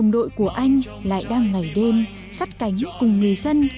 đội của anh lại đang ngày đêm sắt cánh cùng người dân